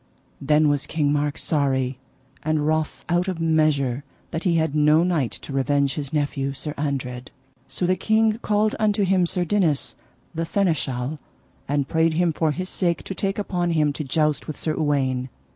Then was King Mark sorry and wroth out of measure that he had no knight to revenge his nephew, Sir Andred. So the king called unto him Sir Dinas, the Seneschal, and prayed him for his sake to take upon him to joust with Sir Uwaine.